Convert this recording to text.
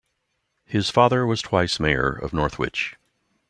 His father was twice mayor of Northwich.